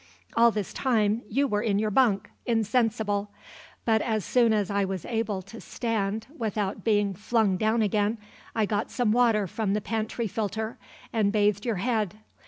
"All this time you were in your bunk, insensible; but as soon as I was able to stand without bein' flung down again I got some water from the pantry filter, and bathed your head.